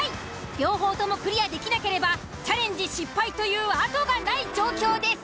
両方ともクリアできなければチャレンジ失敗という後がない状況です。